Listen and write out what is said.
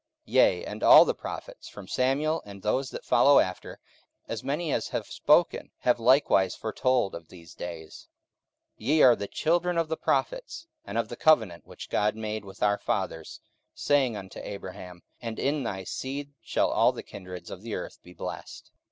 44:003:024 Yea, and all the prophets from Samuel and those that follow after, as many as have spoken, have likewise foretold of these days. 44:003:025 Ye are the children of the prophets, and of the covenant which God made with our fathers, saying unto Abraham, And in thy seed shall all the kindreds of the earth be blessed.